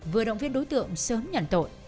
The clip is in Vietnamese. vừa động viên đối tượng sớm nhận tội